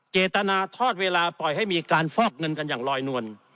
เจตนาทอดเวลาปล่อยให้มีการฟอกเงินกันอย่างลอยนวล